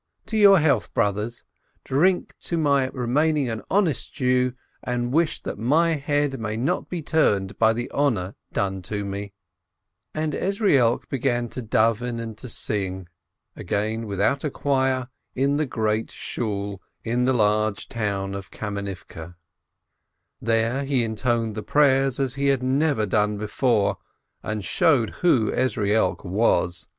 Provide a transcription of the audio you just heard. To your health, brothers ! Drink to my remaining an honest Jew, and wish that my head may not be turned by the honor done to me !" And Ezrielk began to davven and to sing (again without a choir) in the Great Shool, in the large town of Kamenivke. There he intoned the prayers as he had never done before, and showed who Ezrielk was!